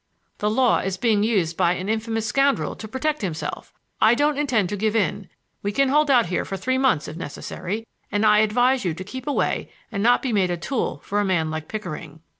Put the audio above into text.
"The law is being used by an infamous scoundrel to protect himself. I don't intend to give in. We can hold out here for three months, if necessary, and I advise you to keep away and not be made a tool for a man like Pickering."